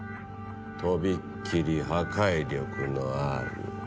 とびっきり破壊力のある。